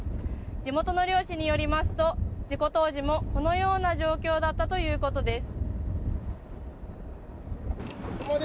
地元の漁師によりますと事故当時もこのような状況だったということです。